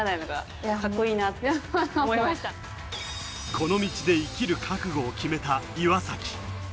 この道で生きる覚悟を決めた岩崎。